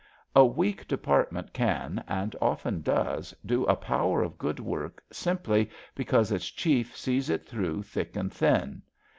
A weak Department can, and often does, do a power of good work simply because its chief sees it through thick and thin.